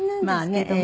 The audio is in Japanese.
まあね